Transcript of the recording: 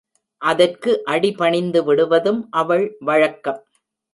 அதற்கு அடி பணிந்துவிடுவதும் அவள் வழக்கம்.